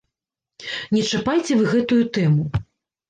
Не чапайце вы гэтую тэму!